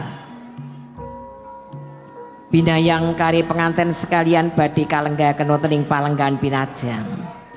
hai binayang kary pengantin sekalian badi kalenggah kenotening palenggan binajang